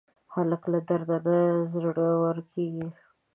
هلک له درده نه زړور کېږي.